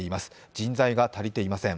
人材が足りていません。